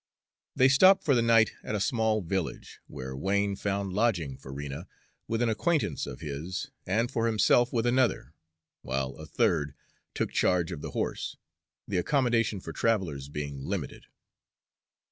They stopped for the night at a small village, where Wain found lodging for Rena with an acquaintance of his, and for himself with another, while a third took charge of the horse, the accommodation for travelers being limited.